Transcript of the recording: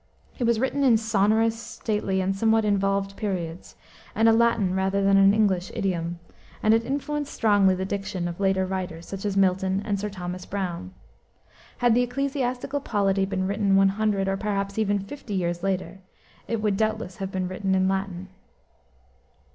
It was written in sonorous, stately and somewhat involved periods, in a Latin rather than an English idiom, and it influenced strongly the diction of later writers, such as Milton and Sir Thomas Browne. Had the Ecclesiastical Polity been written one hundred, or perhaps even fifty, years earlier, it would doubtless have been written in Latin.